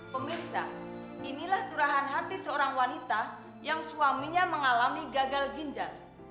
pemirsa inilah curahan hati seorang wanita yang suaminya mengalami gagal ginjal